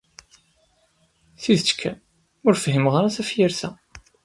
Tidet kan, ur fhimeɣ ara tafyirt-a.